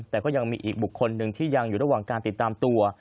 แต่ก็ยังมีอีกบุคคลหนึ่งที่ยังอยู่ระหว่างการติดตามตัว